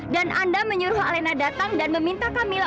dan anda menyuruh alena datang dan meminta kamila